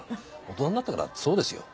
大人になってからだってそうですよ。